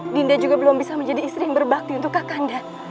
dinda juga belum bisa menjadi istri yang berbakti untuk kakak kanda